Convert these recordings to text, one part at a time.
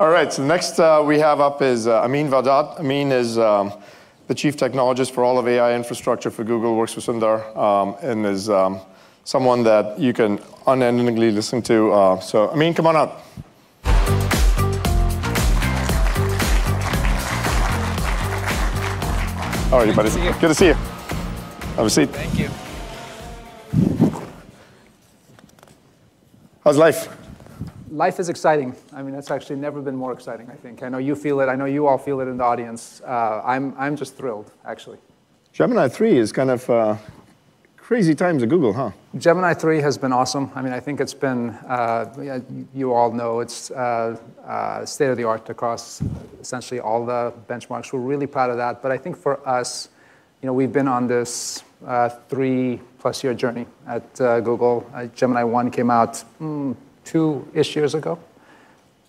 All right, so next, we have up is Amin Vahdat. Amin is the Chief Technologist for all of AI infrastructure for Google, works for Sundar, and is someone that you can unendingly listen to. So Amin, come on up. How are you, buddy? Good to see you. Good to see you. Have a seat. Thank you. How's life? Life is exciting. I mean, it's actually never been more exciting, I think. I know you feel it. I know you all feel it in the audience. I'm just thrilled, actually. Gemini 3 is kind of, crazy times at Google, huh? Gemini 3 has been awesome. I mean, I think it's been, yeah, you all know, it's state-of-the-art across essentially all the benchmarks. We're really proud of that. But I think for us, you know, we've been on this three-plus-year journey at Google. Gemini 1 came out two-ish years ago.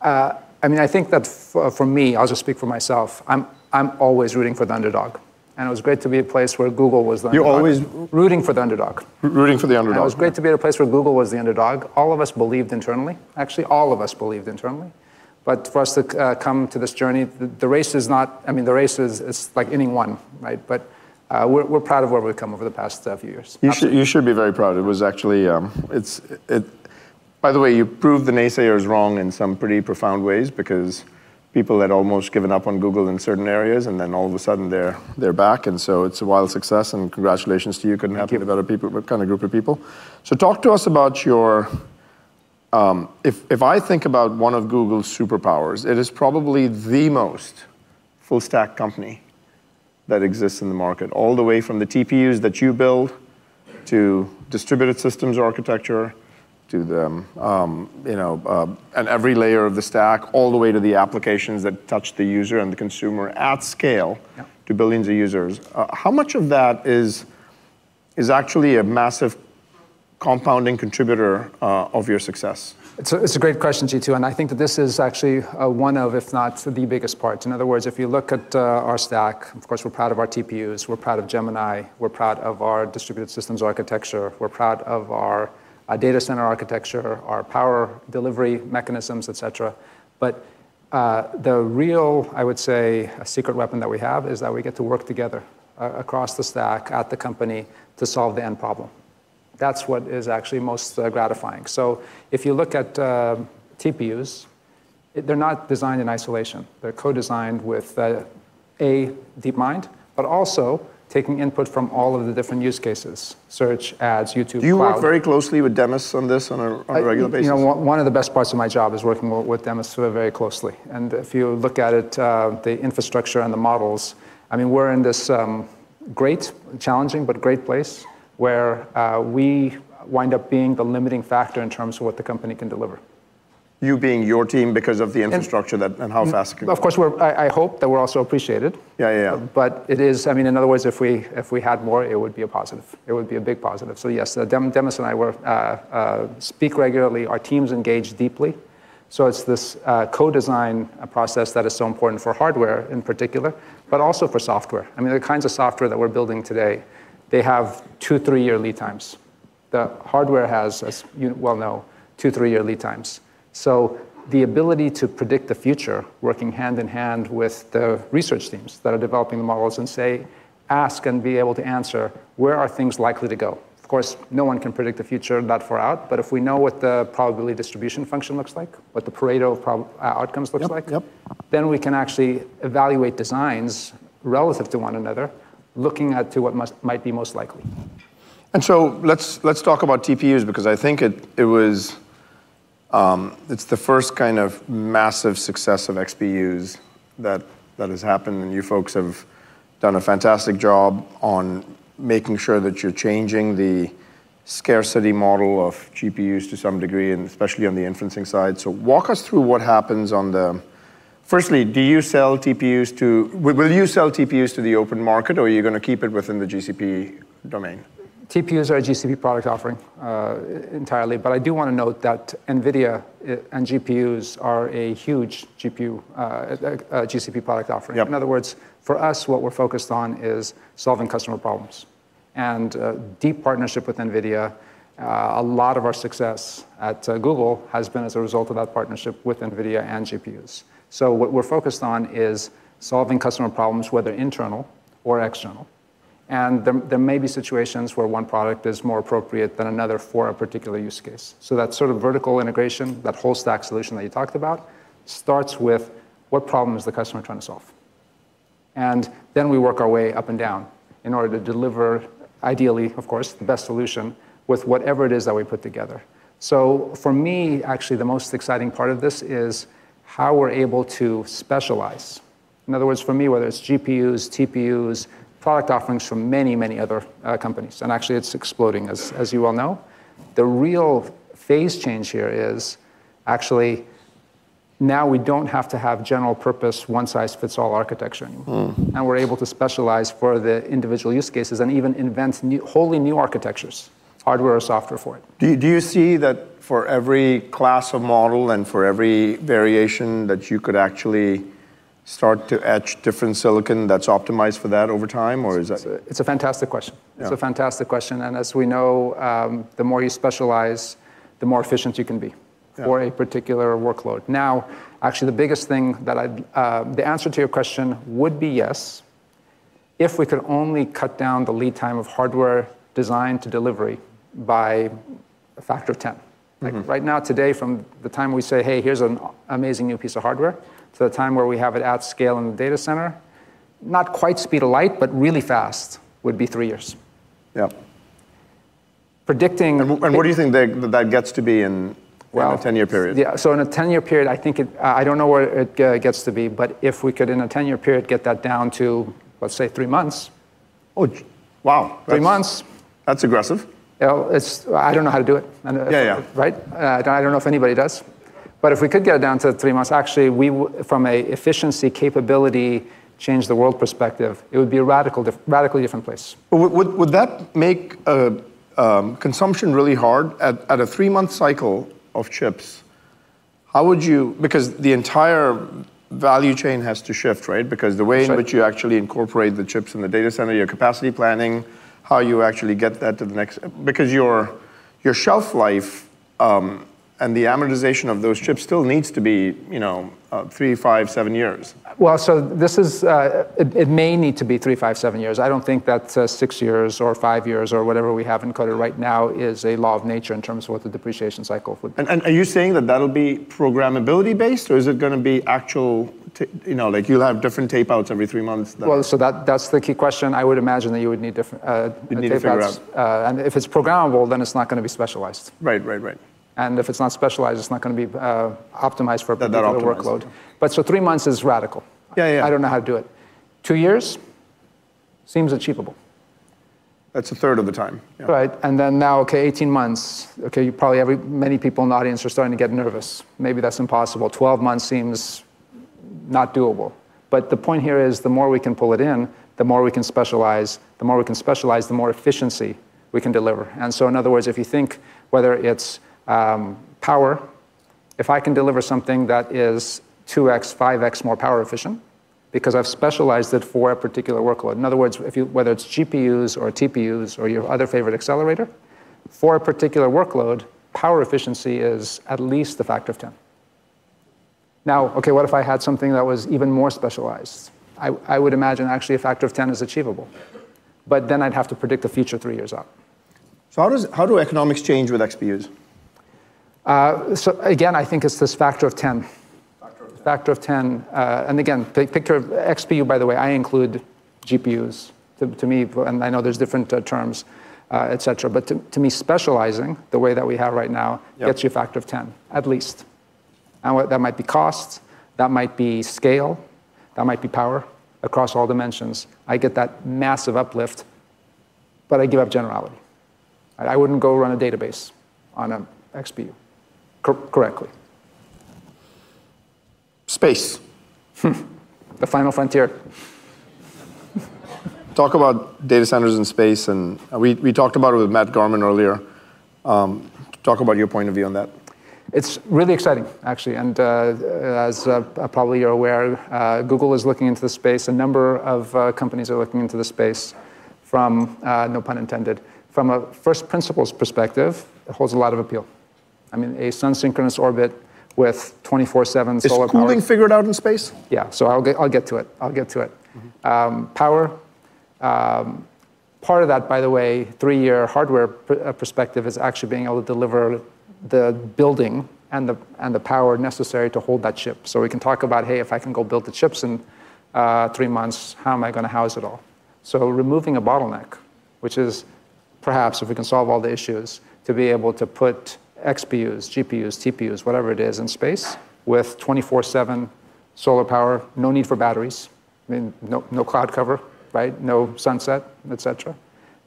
I mean, I think that for me, I'll just speak for myself, I'm always rooting for the underdog, and it was great to be at a place where Google was the underdog. You're always? Rooting for the underdog. Rooting for the underdog. It was great to be at a place where Google was the underdog. All of us believed internally. Actually, all of us believed internally. But for us to come to this journey, the race is not. I mean, the race is like inning one, right? We're proud of where we've come over the past few years. You should, you should be very proud. It was actually. By the way, you proved the naysayers wrong in some pretty profound ways because people had almost given up on Google in certain areas, and then all of a sudden, they're, they're back, and so it's a wild success, and congratulations to you. Thank you. And hiring better people, what kind of group of people. So talk to us about your, if I think about one of Google's superpowers, it is probably the most full-stack company that exists in the market, all the way from the TPUs that you build, to distributed systems architecture, to the, you know, and every layer of the stack, all the way to the applications that touch the user and the consumer at scale. Yeah. To billions of users. How much of that is, is actually a massive compounding contributor of your success? It's a great question, Jeetu, and I think that this is actually one of, if not the biggest parts. In other words, if you look at our stack, of course, we're proud of our TPUs, we're proud of Gemini, we're proud of our distributed systems architecture, we're proud of our data center architecture, our power delivery mechanisms, et cetera. But the real, I would say, secret weapon that we have is that we get to work together across the stack at the company to solve the end problem. That's what is actually most gratifying. So if you look at TPUs, they're not designed in isolation. They're co-designed with DeepMind, but also taking input from all of the different use cases: Search, Ads, YouTube, Cloud. Do you work very closely with Demis on this on a regular basis? I, you know, one of the best parts of my job is working with Demis very closely. And if you look at it, the infrastructure and the models, I mean, we're in this great, challenging, but great place, where we wind up being the limiting factor in terms of what the company can deliver. You being your team because of the infrastructure that, and how fast you can? Of course, I hope that we're also appreciated. Yeah, yeah, yeah. But it is, I mean, in other words, if we, if we had more, it would be a positive. It would be a big positive. So yes, Demis and I work, speak regularly. Our teams engage deeply. So it's this co-design process that is so important for hardware in particular, but also for software. I mean, the kinds of software that we're building today, they have two to three year lead times. The hardware has, as you well know, two to three year lead times. So the ability to predict the future, working hand in hand with the research teams that are developing the models and say, ask and be able to answer, where are things likely to go? Of course, no one can predict the future that far out, but if we know what the probability distribution function looks like, what the Pareto frontier outcomes looks like. Yep, yep Then we can actually evaluate designs relative to one another, looking at what must, might be most likely. And so let's talk about TPUs, because I think it was, it's the first kind of massive success of XPUs that has happened, and you folks have done a fantastic job on making sure that you're changing the scarcity model of GPUs to some degree, and especially on the inference side. So walk us through what happens on the. Firstly, do you sell TPUs to the open market, or are you gonna keep it within the GCP domain? TPUs are a GCP product offering entirely, but I do wanna note that NVIDIA and GPUs are a huge GPU GCP product offering. Yep. In other words, for us, what we're focused on is solving customer problems. And, deep partnership with NVIDIA, a lot of our success at Google has been as a result of that partnership with NVIDIA and GPUs. So what we're focused on is solving customer problems, whether internal or external. And there may be situations where one product is more appropriate than another for a particular use case. So that sort of vertical integration, that whole stack solution that you talked about, starts with: What problem is the customer trying to solve? And then we work our way up and down in order to deliver, ideally, of course, the best solution with whatever it is that we put together. So for me, actually, the most exciting part of this is how we're able to specialize. In other words, for me, whether it's GPUs, TPUs, product offerings from many, many other companies, and actually, it's exploding, as you well know. The real phase change here is actually, now we don't have to have general-purpose, one-size-fits-all architecture anymore. Now we're able to specialize for the individual use cases and even invent new, wholly new architectures, hardware or software for it. Do you see that for every class of model and for every variation, that you could actually start to etch different silicon that's optimized for that over time, or is that? It's a fantastic question. Yeah. It's a fantastic question, and as we know, the more you specialize, the more efficient you can be. Yeah For a particular workload. Now, actually, the biggest thing that I'd. The answer to your question would be yes, if we could only cut down the lead time of hardware design to delivery by a factor of 10. Mm-hmm. Like, right now, today, from the time we say, "Hey, here's an amazing new piece of hardware," to the time where we have it at scale in the data center, not quite speed of light, but really fast, would be three years. Yeah. Predicting. And what do you think that gets to be in a 10-year period? Yeah, so in a 10-year period, I think it. I don't know where it gets to be, but if we could, in a 10-year period, get that down to, let's say, three months. Wow, that's. Three months. That's aggressive. Yeah. Well, it's. I don't know how to do it. And Yeah, yeah. Right? I don't know if anybody does. But if we could get it down to three months, actually, from an efficiency, capability, change the world perspective, it would be a radically different place. But would that make consumption really hard? At a three-month cycle of chips, how would you... Because the entire value chain has to shift, right? Because the way- Right In which you actually incorporate the chips in the data center, your capacity planning, how you actually get that to the next. Because your shelf life, and the amortization of those chips still needs to be, you know, three, five, seven years. Well, so this is. It may need to be three, five, seven years. I don't think that six years or five years or whatever we have encoded right now is a law of nature in terms of what the depreciation cycle would be. Are you saying that that'll be programmability based, or is it gonna be actual, you know, like, you'll have different tape outs every three months? Well, so that, that's the key question. I would imagine that you would need different tape-outs. You'd need to figure out. If it's programmable, then it's not gonna be specialized. Right, right, right. If it's not specialized, it's not gonna be optimized for a particular workload. That optimized. But so three months is radical. Yeah, yeah. I don't know how to do it. Two years? Seems achievable. That's a third of the time, yeah. Right. And then now, okay, 18 months. Okay, probably many people in the audience are starting to get nervous. Maybe that's impossible. 12 months seems not doable. But the point here is, the more we can pull it in, the more we can specialize. The more we can specialize, the more efficiency we can deliver. And so in other words, if you think whether it's power, if I can deliver something that is 2x, 5x more power efficient because I've specialized it for a particular workload. In other words, whether it's GPUs or TPUs or your other favorite accelerator, for a particular workload, power efficiency is at least the factor of 10. Now, okay, what if I had something that was even more specialized? I would imagine, actually, a factor of 10 is achievable, but then I'd have to predict the future three years out. So how do economics change with XPUs? So again, I think it's this factor of 10. Factor of 10. Factor of 10. And again, the picture of XPU, by the way, I include GPUs. To me, and I know there's different terms, et cetera, but to me, specializing the way that we have right now. Yeah Gets you a factor of 10 at least. And whether that might be cost, that might be scale, that might be power across all dimensions, I get that massive uplift, but I give up generality. I, I wouldn't go run a database on an XPU correctly. Space. The final frontier. Talk about data centers in space, and we talked about it with Matt Garman earlier. Talk about your point of view on that. It's really exciting, actually, and as probably you're aware, Google is looking into this space. A number of companies are looking into this space from, no pun intended, from a first principles perspective, it holds a lot of appeal. I mean, a Sun-synchronous orbit with 24/7 solar power- Is cooling figured out in space? Yeah. So I'll get, I'll get to it. I'll get to it. Power, part of that, by the way, three-year hardware perspective, is actually being able to deliver the building and the power necessary to hold that chip. So we can talk about, hey, if I can go build the chips in 3 months, how am I gonna house it all? So removing a bottleneck, which is perhaps, if we can solve all the issues, to be able to put XPUs, GPUs, TPUs, whatever it is, in space with 24/7 solar power, no need for batteries. I mean, no, no cloud cover, right? No sunset, et cetera.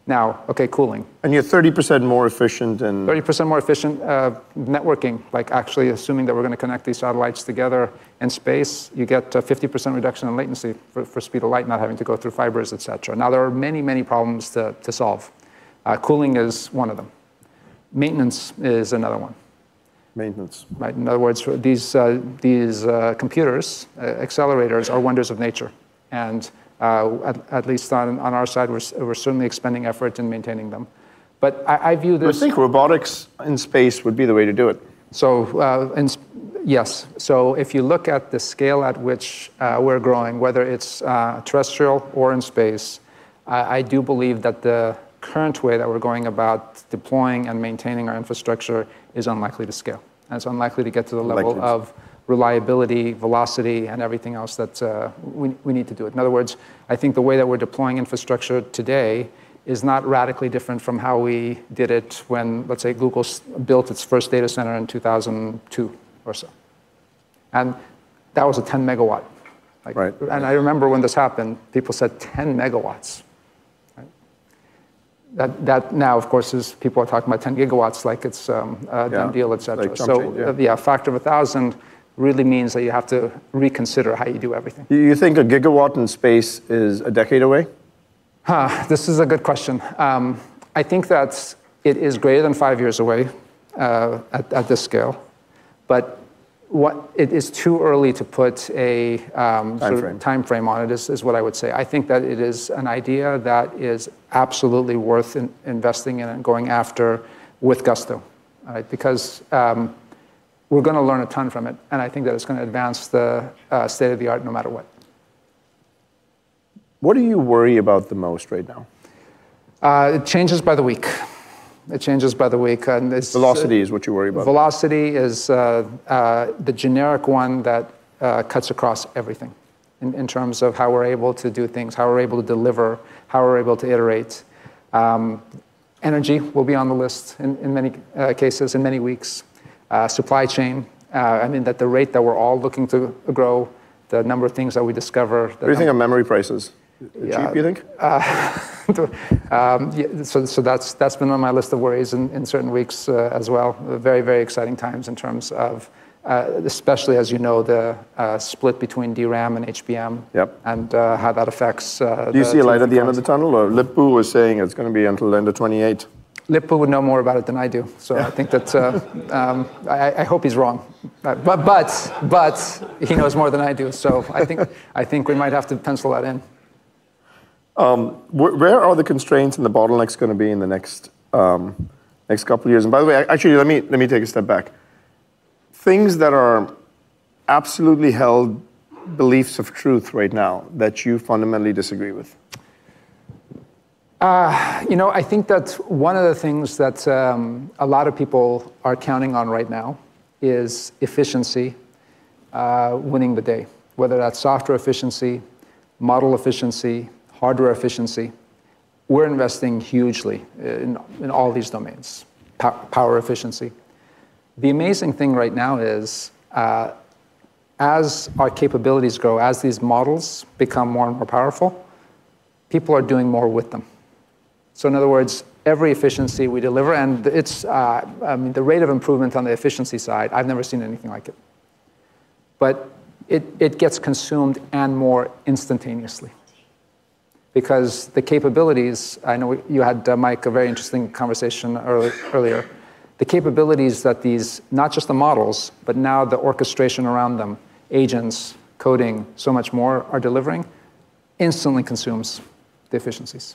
Now, okay, cooling. You're 30% more efficient than? 30% more efficient. Networking, like, actually assuming that we're gonna connect these satellites together in space, you get a 50% reduction in latency for, for speed of light, not having to go through fibers, et cetera. Now, there are many, many problems to, to solve. Cooling is one of them. Maintenance is another one. Maintenance. Right. In other words, these computers, accelerators are wonders of nature, and at least on our side, we're certainly expending effort in maintaining them. But I view this. You would think robotics in space would be the way to do it. Yes. So if you look at the scale at which we're growing, whether it's terrestrial or in space, I do believe that the current way that we're going about deploying and maintaining our infrastructure is unlikely to scale, and it's unlikely to get to the level. Likely Of reliability, velocity, and everything else that we need to do it. In other words, I think the way that we're deploying infrastructure today is not radically different from how we did it when, let's say, Google's built its first data center in 2002 or so. And that was a 10 MW, like. Right. I remember when this happened, people said, "10 MW?" Right. That now, of course, is. People are talking about 10 GW like it's a done deal- Yeah Et cetera. Like something, yeah. So, yeah, a factor of 1,000 really means that you have to reconsider how you do everything. Do you think a gigawatt in space is a decade away? Huh, this is a good question. I think that's, it is greater than five years away, at this scale. But it is too early to put a Timeframe. Timeframe on it is what I would say. I think that it is an idea that is absolutely worth investing in and going after with gusto, right? Because, we're gonna learn a ton from it, and I think that it's gonna advance the state-of-the-art no matter what. What do you worry about the most right now? It changes by the week. It changes by the week, and it's. Velocity is what you worry about? Velocity is the generic one that cuts across everything in terms of how we're able to do things, how we're able to deliver, how we're able to iterate. Energy will be on the list in many cases, in many weeks. Supply chain, I mean, that the rate that we're all looking to grow, the number of things that we discover- What do you think of memory prices? Yeah. Cheap, you think? Yeah, so that's been on my list of worries in certain weeks, as well. Very, very exciting times in terms of, especially as you know, the split between DRAM and HBM. Yep And how that affects. Do you see a light at the end of the tunnel? Or Lip-Bu was saying it's gonna be until end of 2028. Lip-Bu would know more about it than I do. Yeah. I think that I hope he's wrong. But he knows more than I do, so I think we might have to pencil that in. Where, where are the constraints and the bottlenecks gonna be in the next couple of years? And by the way, actually, let me take a step back. Things that are absolutely held beliefs of truth right now that you fundamentally disagree with. You know, I think that one of the things that a lot of people are counting on right now is efficiency winning the day, whether that's software efficiency, model efficiency, hardware efficiency. We're investing hugely in all these domains. Power efficiency. The amazing thing right now is as our capabilities grow, as these models become more and more powerful, people are doing more with them. So in other words, every efficiency we deliver, and it's the rate of improvement on the efficiency side, I've never seen anything like it. But it gets consumed and more instantaneously. Because the capabilities. I know you had, Mike, a very interesting conversation earlier. The capabilities that these, not just the models, but now the orchestration around them, agents, coding, so much more are delivering, instantly consumes the efficiencies.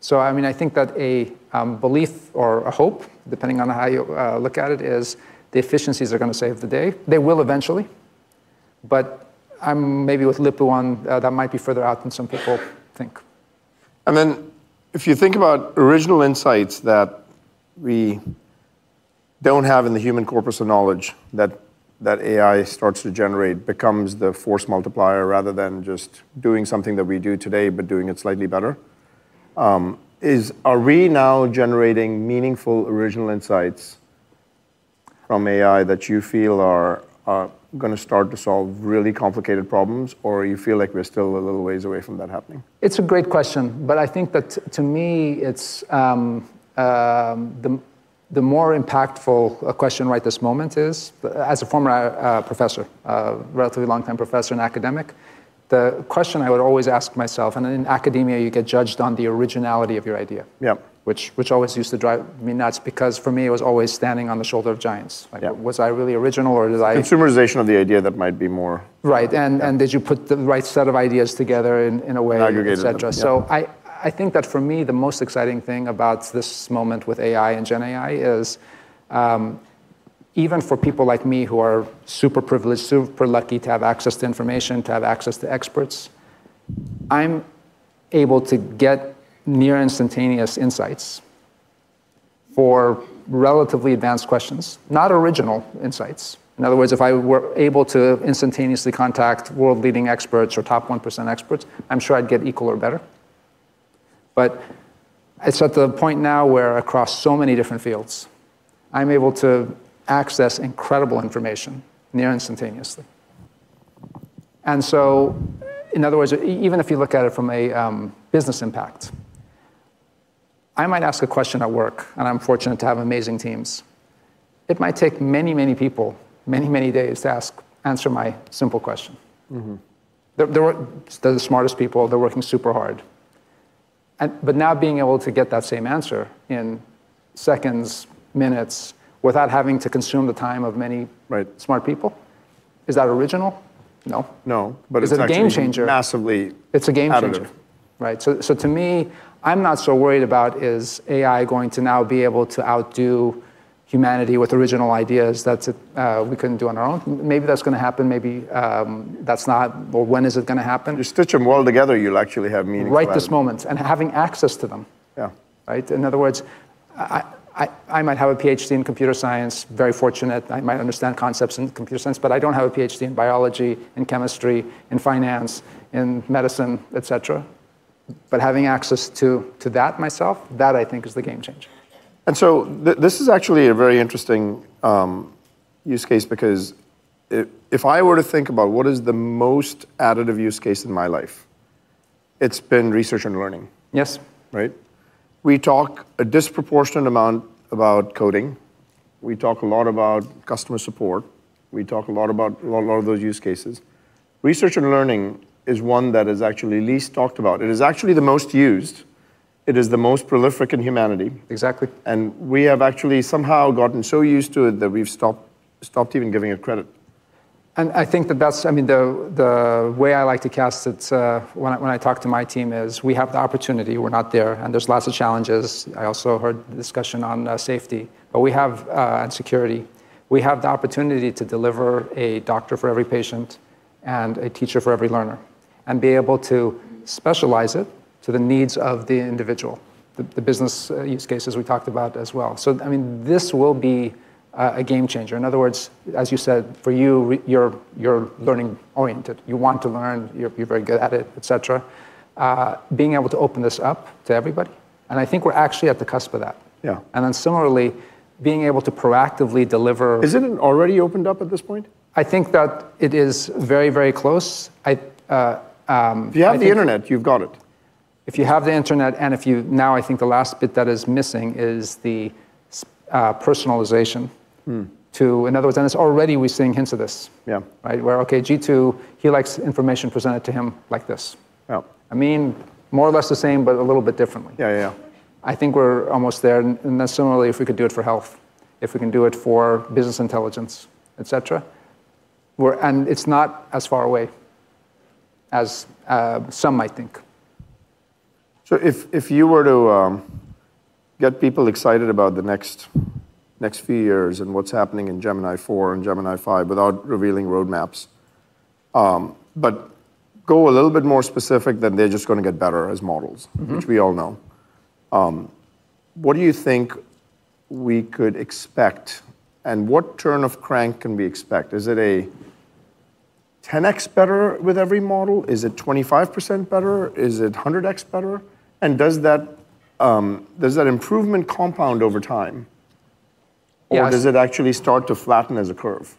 So I mean, I think that a belief or a hope, depending on how you look at it, is the efficiencies are gonna save the day. They will eventually, but I'm maybe with Lip-Bu on that might be further out than some people think. Then, if you think about original insights that we don't have in the human corpus of knowledge, that AI starts to generate, becomes the force multiplier, rather than just doing something that we do today, but doing it slightly better. Are we now generating meaningful, original insights from AI that you feel are gonna start to solve really complicated problems, or you feel like we're still a little ways away from that happening? It's a great question, but I think that to me, it's the more impactful a question right this moment is, as a former professor, a relatively long-time professor and academic, the question I would always ask myself, and in academia, you get judged on the originality of your idea. Yeah Which always used to drive me nuts, because for me, it was always standing on the shoulders of giants. Yeah. Was I really original or was I. Consumerization of the idea that might be more. Right. Yeah. Did you put the right set of ideas together in a way. Aggregated them. Et cetera. Yeah. So I, I think that for me, the most exciting thing about this moment with AI and GenAI is, even for people like me, who are super privileged, super lucky to have access to information, to have access to experts, I'm able to get near instantaneous insights for relatively advanced questions, not original insights. In other words, if I were able to instantaneously contact world-leading experts or top one percent experts, I'm sure I'd get equal or better. But it's at the point now where across so many different fields, I'm able to access incredible information near instantaneously. And so in other words, even if you look at it from a business impact, I might ask a question at work, and I'm fortunate to have amazing teams. It might take many, many days to answer my simple question. They're, they're the smartest people, they're working super hard. And, but now being able to get that same answer in seconds, minutes, without having to consume the time of many. Right Smart people, is that original? No. No, but it's. Is it a game changer? Massively. It's a game changer. Additive. Right. So, to me, I'm not so worried about is AI going to now be able to outdo humanity with original ideas that we couldn't do on our own? Maybe that's gonna happen, maybe, that's not, but when is it gonna happen? You stitch them well together, you'll actually have meaningful answers. Right this moment, and having access to them. Yeah Right? In other words, I might have a PhD in computer science, very fortunate, I might understand concepts in computer science, but I don't have a PhD in biology, in chemistry, in finance, in medicine, et cetera. But having access to, to that myself, that I think is the game changer. This is actually a very interesting use case because if I were to think about what is the most additive use case in my life, it's been research and learning. Yes. Right? We talk a disproportionate amount about coding. We talk a lot about customer support. We talk a lot about a lot, a lot of those use cases. Research and learning is one that is actually least talked about. It is actually the most used. It is the most prolific in humanity. Exactly. We have actually somehow gotten so used to it that we've stopped even giving it credit. I think that that's, I mean, the way I like to cast it, when I talk to my team, is we have the opportunity. We're not there, and there's lots of challenges. I also heard the discussion on safety, but we have and security. We have the opportunity to deliver a doctor for every patient and a teacher for every learner, and be able to specialize it to the needs of the individual, the business use cases we talked about as well. So, I mean, this will be a game changer. In other words, as you said, for you, you're learning-oriented. You want to learn, you're very good at it, et cetera. Being able to open this up to everybody, and I think we're actually at the cusp of that. Yeah. And then similarly, being able to proactively deliver- Isn't it already opened up at this point? I think that it is very, very close. If you have the internet, you've got it. If you have the internet, and if you. Now, I think the last bit that is missing is the s-, personalization. Mm. To, in other words, and it's already, we're seeing hints of this. Yeah. Right? Where, okay, Jeetu, he likes information presented to him like this. Yeah. Amin, more or less the same, but a little bit differently. Yeah, yeah, yeah. I think we're almost there, and then similarly, if we could do it for health, if we can do it for business intelligence, et cetera. And it's not as far away as some might think. So if you were to get people excited about the next few years and what's happening in Gemini 4 and Gemini 5, without revealing roadmaps, but go a little bit more specific than they're just gonna get better as models. Mm-hmm. Which we all know. What do you think we could expect, and what turn of crank can we expect? Is it 10x better with every model? Is it 25% better? Is it 100x better? And does that, does that improvement compound over time? Yes Or does it actually start to flatten as a curve?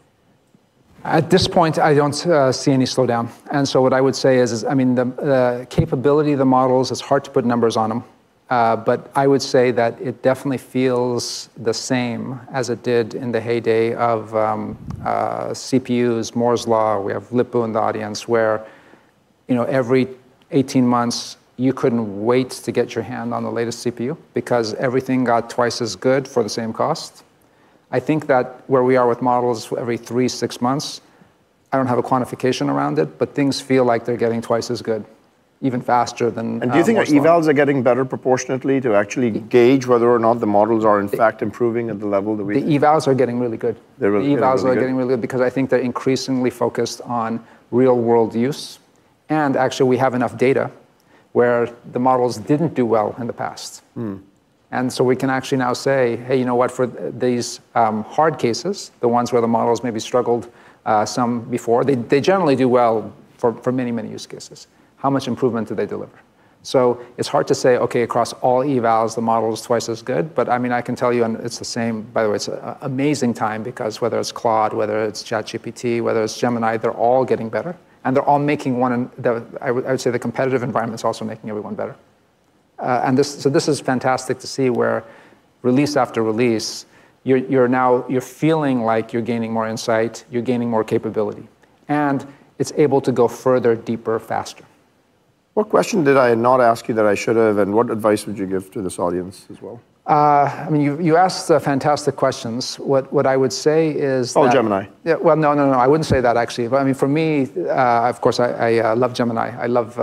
At this point, I don't see any slowdown, and so what I would say is, I mean, the capability of the models, it's hard to put numbers on them. But I would say that it definitely feels the same as it did in the heyday of CPUs, Moore's Law. We have Lip-Bu in the audience, where, you know, every 18 months, you couldn't wait to get your hand on the latest CPU because everything got twice as good for the same cost. I think that where we are with models, every three to six months, I don't have a quantification around it, but things feel like they're getting twice as good, even faster than Moore's Law. Do you think the evals are getting better proportionately to actually gauge whether or not the models are, in fact, improving at the level that we. The evals are getting really good. They're really, they're really good? The evals are getting really good because I think they're increasingly focused on real-world use. Actually, we have enough data where the models didn't do well in the past. And so we can actually now say, "Hey, you know what? For these, hard cases, the ones where the models maybe struggled, some before, they generally do well for many, many use cases. How much improvement do they deliver?" So it's hard to say, "Okay, across all evals, the model is twice as good," but, I mean, I can tell you and it's the same... By the way, it's an amazing time because whether it's Claude, whether it's ChatGPT, whether it's Gemini, they're all getting better, and they're all making one, and I would say, the competitive environment is also making everyone better. And this is fantastic to see, where release after release, you're now feeling like you're gaining more insight, you're gaining more capability, and it's able to go further, deeper, faster. What question did I not ask you that I should have, and what advice would you give to this audience as well? I mean, you asked fantastic questions. What I would say is that. Oh, Gemini. Yeah. Well, no, no, no, I wouldn't say that actually. But I mean, for me, of course, I love Gemini. I love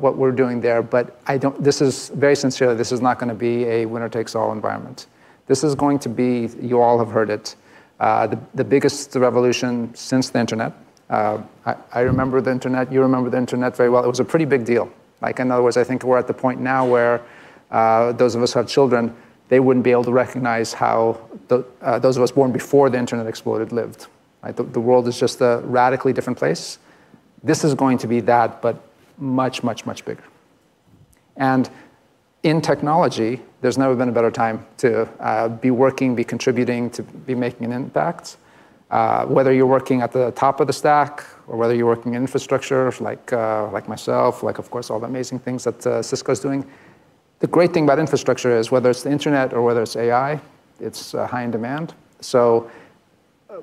what we're doing there, but this is, very sincerely, this is not gonna be a winner-takes-all environment. This is going to be, you all have heard it, the biggest revolution since the internet. I remember the internet. You remember the internet very well. It was a pretty big deal. Like, in other words, I think we're at the point now where, those of us who have children, they wouldn't be able to recognize how the, those of us born before the internet exploded lived, right? The world is just a radically different place. This is going to be that, but much, much, much bigger. In technology, there's never been a better time to be working, be contributing, to be making an impact, whether you're working at the top of the stack or whether you're working in infrastructure, like, like myself, like, of course, all the amazing things that Cisco is doing. The great thing about infrastructure is, whether it's the internet or whether it's AI, it's high in demand. So,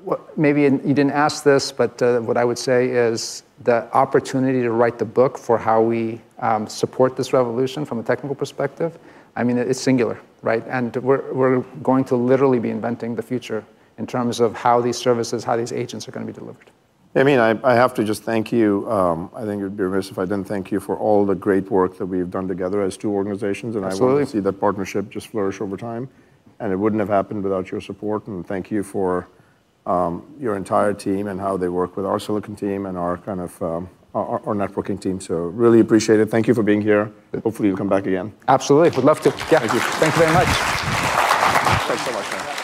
well, maybe you didn't ask this, but what I would say is the opportunity to write the book for how we support this revolution from a technical perspective, I mean, it's singular, right? And we're, we're going to literally be inventing the future in terms of how these services, how these agents are gonna be delivered. Amin, I have to just thank you. I think it'd be remiss if I didn't thank you for all the great work that we've done together as two organizations. Absolutely. And I want to see that partnership just flourish over time, and it wouldn't have happened without your support. And thank you for your entire team and how they work with our Silicon team and our kind of our networking team. So really appreciate it. Thank you for being here, and hopefully you'll come back again. Absolutely. Would love to. Yeah. Thank you. Thank you very much. Thanks so much, man.